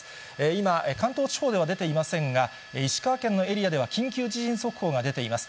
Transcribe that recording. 今、関東地方では出ていませんが、石川県のエリアでは緊急地震速報が出ています。